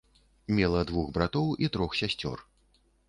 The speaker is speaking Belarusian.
Мела двух братоў і трох сясцёр.